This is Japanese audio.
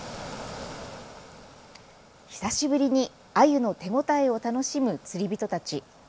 久しぶりにあゆの手応えを楽しむ釣り人たち。